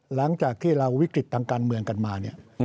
หลังจากที่เราวิกฤตตางาเมืองกันมา